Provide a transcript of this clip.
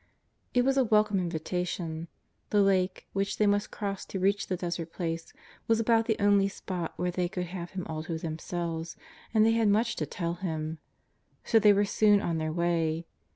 It was a welcome invitation. The Lake, which they must cross to reach the desert place, was about the only spot where they could have Him all to themselves, and they had much to tell Him. So they were soon on their way.